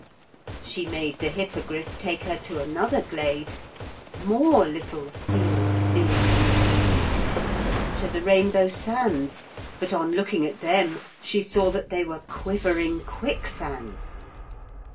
She made the Hippogriff take her to another glade more little steel spears. To the rainbow sands but on looking at them she saw that they were quivering quicksands.